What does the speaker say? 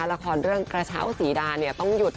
อีกหนึ่งเรื่องนะครับที่ความภอดของเธอค่ะ